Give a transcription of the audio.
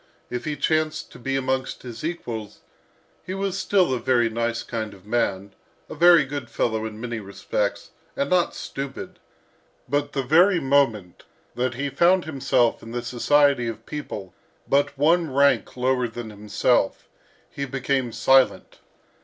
If he chanced to be amongst his equals, he was still a very nice kind of man, a very good fellow in many respects, and not stupid, but the very moment that he found himself in the society of people but one rank lower than himself, he became silent.